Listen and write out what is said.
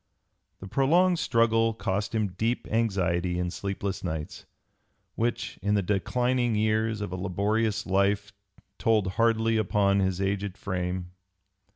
The prolonged struggle cost him deep anxiety and sleepless nights, which in the declining years of a laborious life told hardly upon his aged frame.